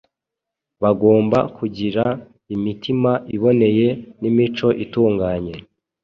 Bagomba kugira imitima iboneye n’imico itunganye.